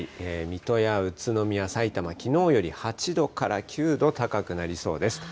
水戸や宇都宮、さいたま、きのうより８度から９度高くなりそうです。